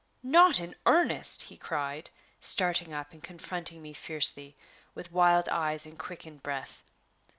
"Not in earnest!" he cried, starting up and confronting me fiercely, with wild eyes and quickened breath.